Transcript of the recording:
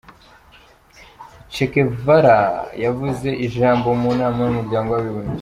Che Guevara yavuze ijambo mu nama y’umuryango w’abibumbye.